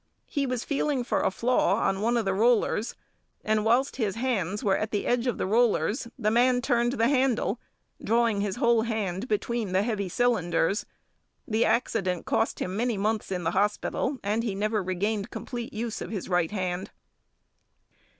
He was feeling for a flaw on one of the rollers, and whilst his hands |12| were at the edge of the rollers the man turned the handle, drawing the whole hand between the heavy cylinders. The accident cost him many months in the hospital, and he never regained complete use of his right hand.